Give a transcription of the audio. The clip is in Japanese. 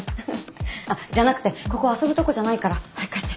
あっじゃなくてここ遊ぶとこじゃないから早く帰って。